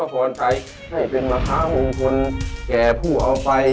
ก็พอใจให้เป็นมหาวงคลแก่ผู้เอาไป